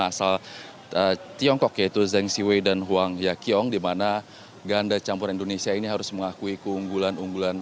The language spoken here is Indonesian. asal tiongkok yaitu zheng siwei dan huang yaqiong dimana ganda campuran indonesia ini harus mengakui keunggulan